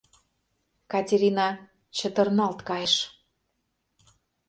— Катерина чытырналт кайыш.